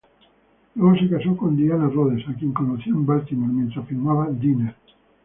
Luego se casó con Dianna Rhodes a quien conoció en Baltimore mientras filmaba "Diner".